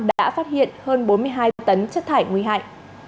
đã phát hiện hơn bốn mươi hai tấn chất thải nguy hại